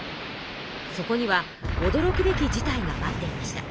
そこにはおどろくべき事態が待っていました。